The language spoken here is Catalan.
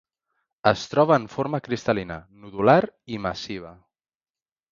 Es troba en forma cristal·lina, nodular i massiva.